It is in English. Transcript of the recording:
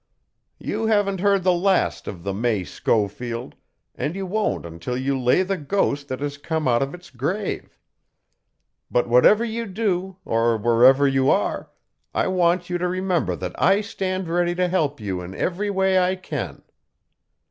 "You haven't heard the last of the May Schofield, and you won't until you lay the ghost that has come out of its grave. But whatever you do or wherever you are, I want you to remember that I stand ready to help you in every way I can.